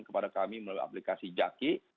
kepada kami melalui aplikasi jaki